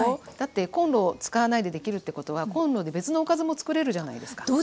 だってこんろを使わないでできるってことはこんろで別のおかずも作れるじゃないですか。